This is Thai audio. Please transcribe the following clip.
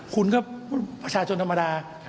คุณก็ประชาชนธรรมดา